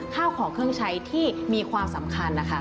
ข้าวของเครื่องใช้ที่มีความสำคัญนะคะ